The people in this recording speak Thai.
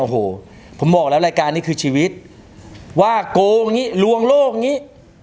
โอ้โหผมบอกแล้วรายการนี้คือชีวิตว่าโกงอย่างนี้ลวงโลกอย่างนี้